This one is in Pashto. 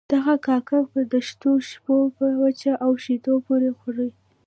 دغه کاک به د دښتو شپنو په پوڅه او شيدو پورې خوړ.